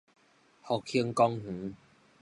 復興公園